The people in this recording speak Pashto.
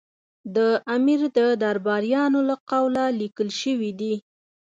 د امیر د درباریانو له قوله لیکل شوي دي.